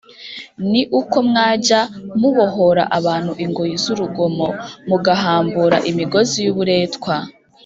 “ni uko mwajya mubohora abantu ingoyi z’urugomo, mugahambura imigozi y’uburetwa